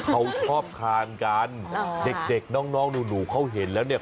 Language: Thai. เขาชอบทานกันเด็กเด็กน้องหนูเขาเห็นแล้วเนี่ย